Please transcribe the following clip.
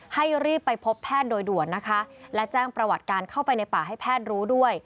ให้รีบไปพบแพทย์โดยด่วนนะคะและแจ้งประวัติการเข้าไปในป่าให้แพทย์รู้ด้วย